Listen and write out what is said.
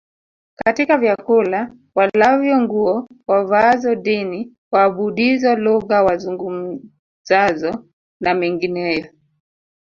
katika vyakula walavyo nguo wavaazo dini waabudizo lugha wazungumzazo na mengineyo